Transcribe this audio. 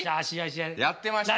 やってましたよ。